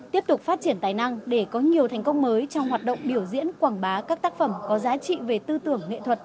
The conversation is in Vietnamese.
tiếp tục phát triển tài năng để có nhiều thành công mới trong hoạt động biểu diễn quảng bá các tác phẩm có giá trị về tư tưởng nghệ thuật